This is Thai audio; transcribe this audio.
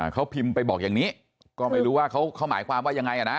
เขาพิมพ์ไปบอกอย่างนี้ก็ไม่รู้ว่าเขาหมายความว่ายังไงอ่ะนะ